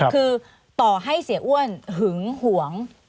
คือต่อให้เสียอ้วนหึงหวง